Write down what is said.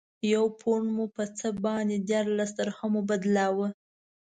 یو پونډ مو په څه باندې دیارلس درهمو بدلاوه.